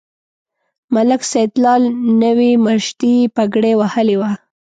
ملک سیدلال نوې مشدۍ پګړۍ وهلې وه.